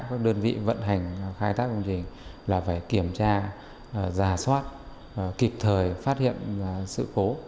các đơn vị vận hành khai thác công trình là phải kiểm tra giả soát kịp thời phát hiện sự cố